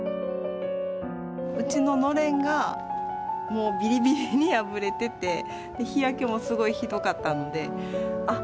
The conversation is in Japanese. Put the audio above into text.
うちののれんがもうビリビリに破れてて日焼けもすごいひどかったのであっ